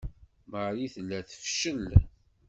Marie tella tefcel.